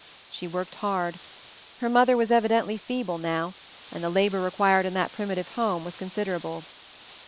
She worked hard. Her mother was evidently feeble now, and the labor required in that primitive home was considerable.